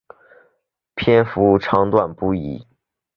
篇幅长短不一。